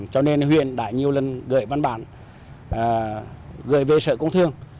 cho nên huyện đã nhiều lần gửi văn bản gửi về sở công thương